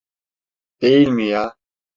Değil mi ya?